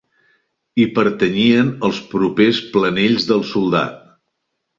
Hi pertanyien els propers Planells del Soldat.